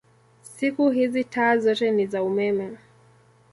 Siku hizi taa zote ni za umeme.